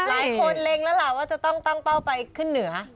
หลายคนเล็งแล้วล่ะว่าจะต้องตั้งเป้าไปขึ้นเหนือ